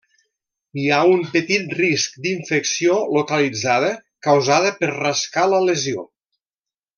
Hi ha un petit risc d'infecció localitzada causada per rascar la lesió.